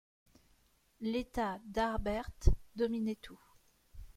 L’état d’Harbert dominait tout